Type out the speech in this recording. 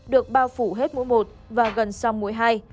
được bao phủ hết mũi một và gần xong mũi hai